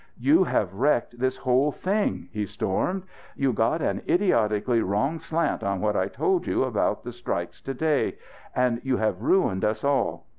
"You have wrecked this whole thing!" he stormed. "You got an idiotically wrong slant on what I told you about strikes to day; and you have ruined us all.